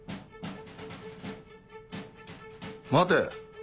待て。